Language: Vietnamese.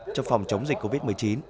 trong phòng chống dịch covid một mươi chín